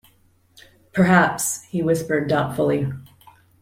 “Perhaps,” he whispered doubtfully.